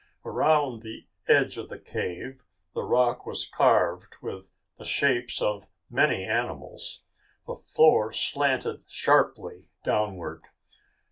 Around the edge of the cave, the rock was carved with the shapes of many animals. The floor slanted sharply downward.